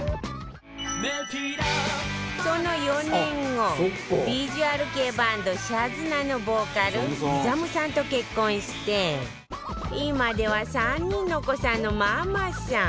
その４年後ビジュアル系バンド ＳＨＡＺＮＡ のボーカル ＩＺＡＭ さんと結婚して今では３人のお子さんのママさん